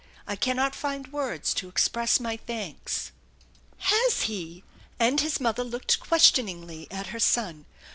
I cannot find words to express my thanks." " Has he ?" and his mother looked questioningly at her son.